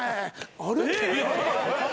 あれ？